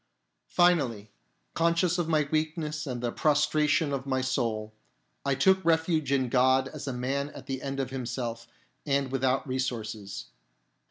Finally, conscious of my weakness and the A prostration of my soul, I took refuge in God as a man at the end of himself and without resources.